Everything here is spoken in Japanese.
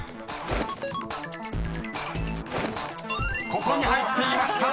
［ここに入っていました！］